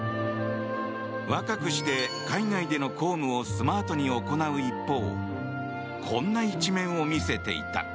若くして海外での公務をスマートに行う一方こんな一面を見せていた。